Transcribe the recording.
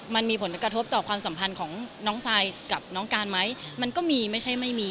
มันมีผลกระทบต่อความสัมพันธ์ของน้องซายกับน้องการไหมมันก็มีไม่ใช่ไม่มี